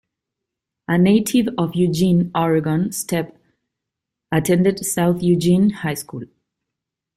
A native of Eugene, Oregon, Stepp attended South Eugene High School.